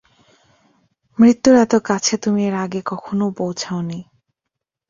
মৃত্যুর এত কাছে তুমি এর আগে কখনও পৌঁছাওনি।